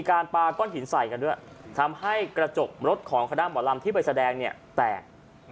อารมณ์แรงเนี่ยแตก